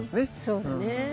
そうだね。